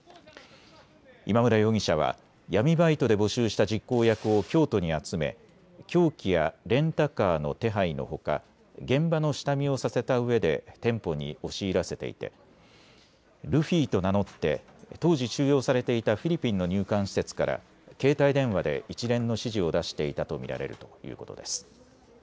今村容疑者は闇バイトで募集した実行役を京都に集め、凶器やレンタカーの手配のほか現場の下見をさせたうえで店舗に押し入らせていてルフィと名乗って当時収容されていたフィリピンの入管施設から携帯電話で一連の指示を出していたと見られるということです。